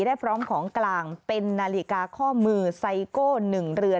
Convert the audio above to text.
ได้พร้อมของกลางเป็นนาฬิกาข้อมือไซโก้๑เรือน